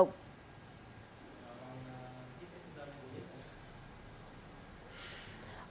và một chiếc xe máy